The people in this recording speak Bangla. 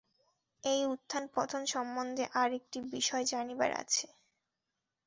এই উত্থান-পতন সম্বন্ধে আর একটি বিষয় জানিবার আছে।